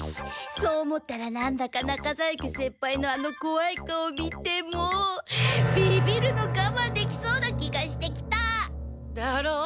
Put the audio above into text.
そう思ったらなんだか中在家先輩のあのこわい顔を見てもビビるのがまんできそうな気がしてきた。だろう？